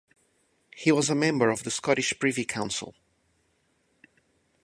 He was a member of the Scottish privy council.